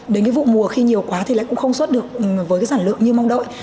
đến cái vụ mùa khi nhiều quá thì lại cũng không xuất được với cái sản lượng như mong đợi